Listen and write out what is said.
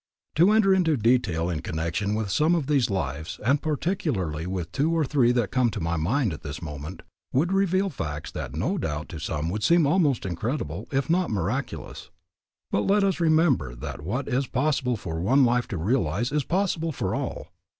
To enter into detail in connection with some of these lives, and particularly with two or three that come to my mind at this moment, would reveal facts that no doubt to some would seem almost incredible if not miraculous. But let us remember that what is possible for one life to realize is possible for all.